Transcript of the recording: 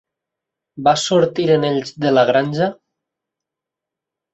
Vas sortir amb ells de La granja?